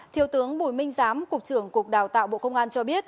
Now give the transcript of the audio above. thiếu tướng bùi minh giám cục trưởng cục đào tạo bộ công an cho biết